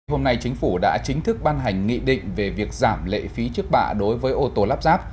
hôm nay chính phủ đã chính thức ban hành nghị định về việc giảm lệ phí trước bạ đối với ô tô lắp ráp